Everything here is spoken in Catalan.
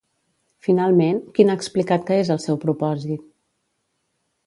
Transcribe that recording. Finalment, quin ha explicat que és el seu propòsit?